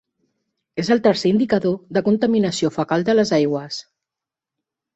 És el tercer indicador de contaminació fecal de les aigües.